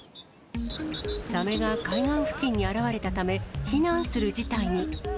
サメが海岸付近に現れたため、避難する事態に。